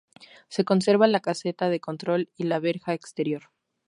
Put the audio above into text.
Se conserva la caseta de control y la verja exterior.